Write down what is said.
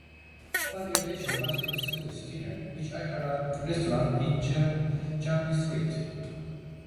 My irritation lasted through dinner, which I had at a restaurant in Jermyn Street.